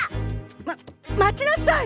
まっ待ちなさい！